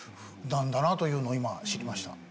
なんだなというのを今知りました。